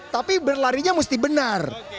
tapi berlarinya mesti benar